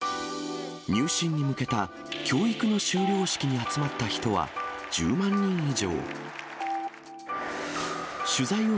入信に向けた教育の修了式に集まった人は１０万人以上。